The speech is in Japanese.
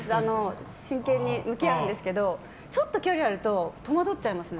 真剣に向き合うんですけどちょっと距離があると戸惑っちゃいますね。